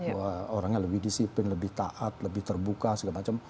bahwa orangnya lebih disiplin lebih taat lebih terbuka segala macam